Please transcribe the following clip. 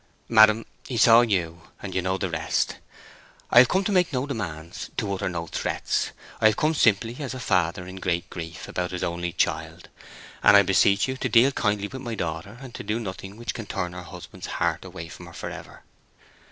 Madam, he saw you, and you know the rest....I have come to make no demands—to utter no threats; I have come simply as a father in great grief about this only child, and I beseech you to deal kindly with my daughter, and to do nothing which can turn her husband's heart away from her forever.